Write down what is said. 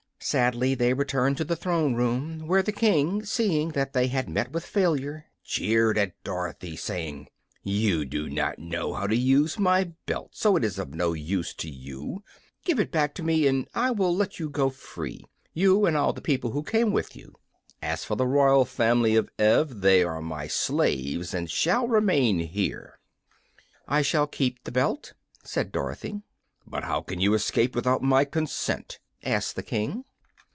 Sadly they returned to the throne room, where the King, seeing that they had met with failure, jeered at Dorothy, saying: "You do not know how to use my belt, so it is of no use to you. Give it back to me and I will let you go free you and all the people who came with you. As for the royal family of Ev, they are my slaves, and shall remain here." "I shall keep the belt," said Dorothy. "But how can you escape, without my consent?" asked the King.